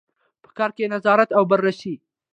په کار کې نظارت او بررسي.